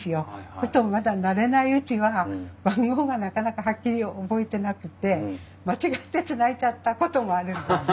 そうするとまだ慣れないうちは番号がなかなかはっきり覚えてなくて間違ってつないじゃったこともあるんです。